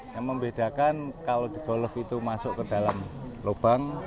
yang membedakan kalau di golf itu masuk ke dalam lubang